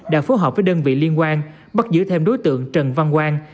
đã phối hợp với đơn vị liên quan bắt giữ thêm đối tượng trần văn quang